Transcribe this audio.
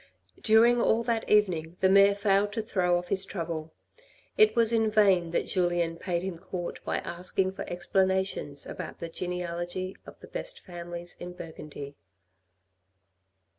During all that evening the mayor failed to throw off his trouble. It was in vain that Julien paid him court by asking for explanations about the genealogy of the best families in Burgundy.